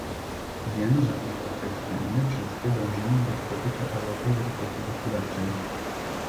Wiem, że Unia Europejska i my wszyscy dążymy do wydobycia Europy z recesji gospodarczej